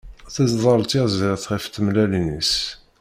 Tezdel tyaziḍt ɣef tmellalin-is.